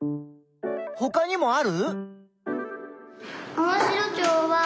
ほかにもある？